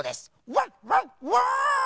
ワンワンワーン！